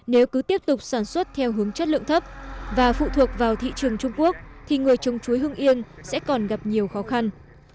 nếu cứ tiếp tục sản xuất theo hướng chất lượng thấp và phụ thuộc vào thị trường trung quốc thì người trồng chuối hương yên sẽ còn gặp nhiều khó khăn